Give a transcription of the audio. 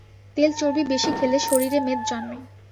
তেল-চর্বি বেশী খেলে শরীরে মেদ জন্মে।